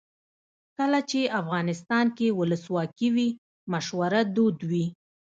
کله چې افغانستان کې ولسواکي وي مشوره دود وي.